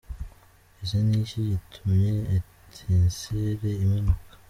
Ese ni iki gitumye Etincelles imanuka?.